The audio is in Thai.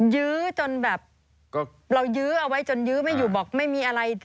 ยื้อจนแบบเรายื้อเอาไว้จนยื้อไม่อยู่บอกไม่มีอะไร